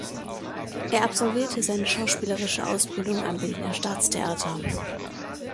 Er absolvierte seine schauspielerische Ausbildung am Berliner Staatstheater.